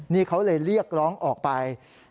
นี่เขาเลยเรียกร้องออกไป